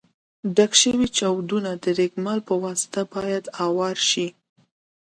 ډک شوي چاودونه د رېګمال په واسطه باید اوار شي.